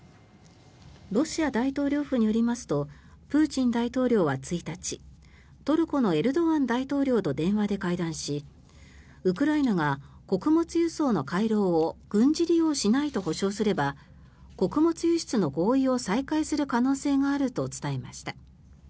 ロシア大統領府によりますとプーチン大統領は１日トルコのエルドアン大統領と電話で会談しウクライナが穀物輸送の回廊を軍事利用しないと保証すれば穀物輸出の合意を再開する可能性があると伝えました。